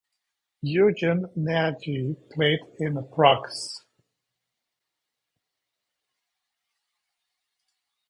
Eugen Nagy played in approx.